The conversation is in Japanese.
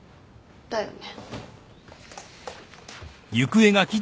だよね。